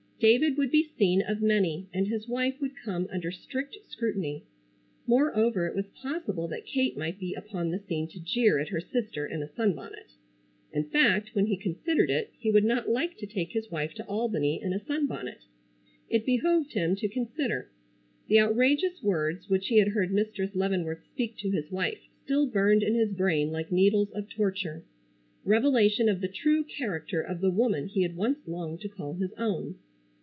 David would be seen of many and his wife would come under strict scrutiny. Moreover it was possible that Kate might be upon the scene to jeer at her sister in a sunbonnet. In fact, when he considered it he would not like to take his wife to Albany in a sunbonnet. It behoved him to consider. The outrageous words which he had heard Mistress Leavenworth speak to his wife still burned in his brain like needles of torture: revelation of the true character of the woman he had once longed to call his own.